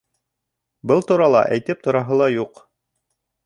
Был турала әйтеп тораһы ла юҡ.